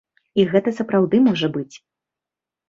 І гэта сапраўды можа быць.